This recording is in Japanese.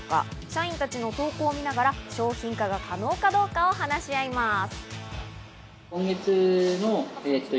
社員たちの投稿を見ながら商品化が可能かどうかを話し合います。